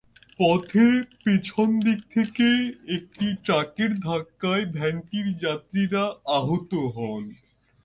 পথে পেছন দিক থেকে একটি ট্রাকের ধাক্কায় ভ্যানটির যাত্রীরা আহত হন।